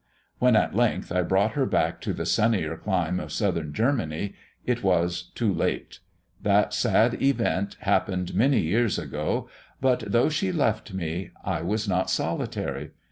When at length I brought her back to the sunnier clime of Southern Germany, it was too late. That sad event happened many years ago, but though she left me, I was not solitary.